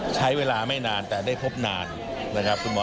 ใช้เวลาไม่นานแต่ได้พบนานนะครับคุณหมอ